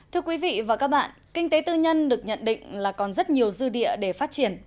thưa quý vị và các bạn kinh tế tư nhân được nhận định là còn rất nhiều dư địa để phát triển